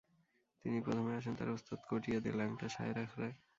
তিনি প্রথমে আসেন তাঁর ওস্তাদ কটিয়াদির ল্যাংটা শাহের আখড়ায়।